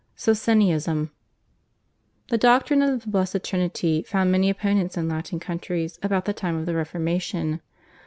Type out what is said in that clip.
/Socinianism/. The doctrine of the Blessed Trinity found many opponents in Latin countries about the time of the Reformation.